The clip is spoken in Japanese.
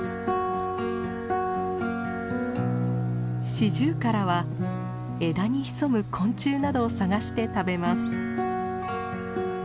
シジュウカラは枝に潜む昆虫などを探して食べます。